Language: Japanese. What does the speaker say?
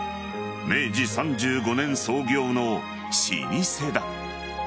明治３５年創業の老舗だ。